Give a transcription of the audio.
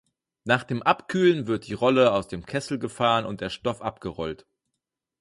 Nach dem Abkühlen wird die Rolle aus dem Kessel gefahren und der Stoff abgerollt.